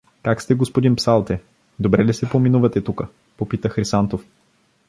— Как сте, господин псалте? Добре ли се поминувате тука? — попита Хрисантов.